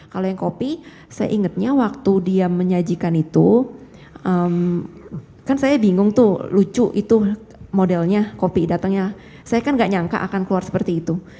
kalau yang kopi saya ingatnya waktu dia menyajikan itu kan saya bingung tuh lucu itu modelnya kopi datangnya saya kan gak nyangka akan keluar seperti itu